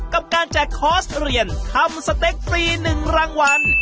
กับการแจกคอร์สเรียนทำสเต็กฟรี๑รางวัล